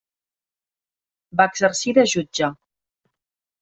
Va exercir de jutge.